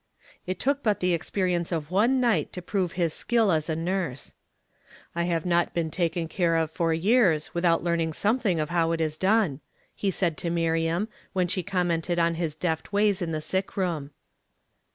It took but the experience of one night to prove his skill as a nurse. '* I have not been taken care of for years, with out learning something of how it is done," he said to iNIiriam, wlien she commented on his deft ways in the sick room.